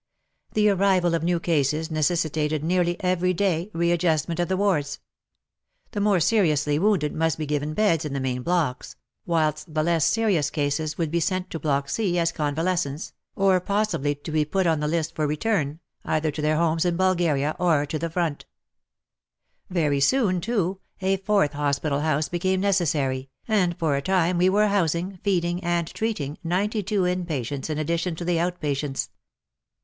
The arrival of new cases necessitated nearly every day re adjustment of the wards. The more seriously wounded must be given beds in the main blocks, whilst the less serious cases would be sent to Block C as convalescents, or possibly be put on the list for return, either to their homes in Bulgaria — or to the front Very soon too, a fourth hospital house became necessary, and for a time we were housing, feeding and treating ninety two in patients in addition to the out patients.